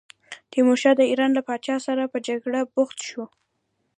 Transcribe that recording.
تیمورشاه د ایران له پاچا سره په جګړه بوخت شو.